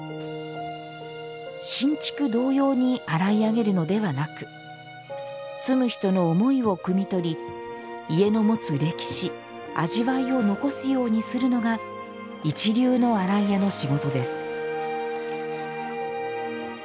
新築同様に洗い上げるのではなく住む人の思いをくみ取り家の持つ歴史、味わいを残すようにするのが一流の洗い屋の仕事です。